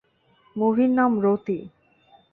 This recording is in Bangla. মুভির নাম, রোতি।